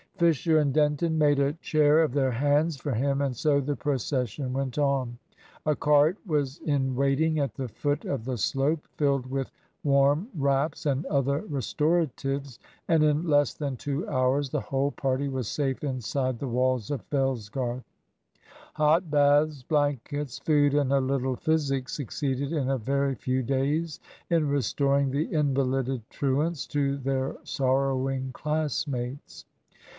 Fisher and Denton made a chair of their hands for him, and so the procession went on. A cart was in waiting at the foot of the slope, filled with warm wraps and other restoratives, and in less than two hours the whole party was safe inside the walls of Fellsgarth. Hot baths, blankets, food, and a little physic, succeeded in a very few days in restoring the invalided truants to their sorrowing class mates.